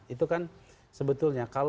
itu kan sebetulnya